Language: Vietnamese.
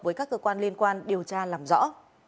với các cơ quan liên quan điều tra làm rõ